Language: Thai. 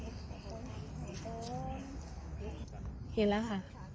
เห็นแล้ว